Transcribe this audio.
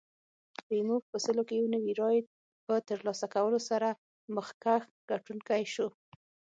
کریموف په سلو کې یو نوي رایې په ترلاسه کولو سره مخکښ ګټونکی شو.